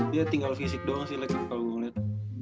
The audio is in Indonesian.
dia tinggal fisik doang sih kalau gua liat